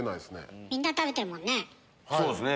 みんな食べてるもんね。